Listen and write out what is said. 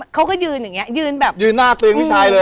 เขาก็ยืนอย่างเงี้ยืนแบบยืนหน้าตัวเองพี่ชายเลย